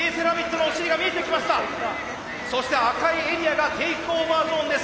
そして赤いエリアがテイクオーバーゾーンです。